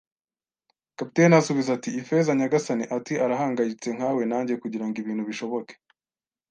Kapiteni asubiza ati: “Ifeza, nyagasani,” Ati: "arahangayitse nkawe nanjye kugirango ibintu bishoboke